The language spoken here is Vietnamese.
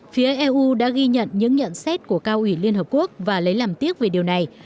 phía eu đã ghi nhận những nhận xét của cao ủy liên hợp quốc và lấy làm tiếc về điều này